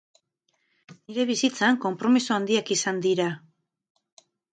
Nire bizitzan, konpromiso handiak izan dira.